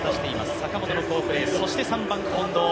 坂本の好プレー、そして３番の近藤。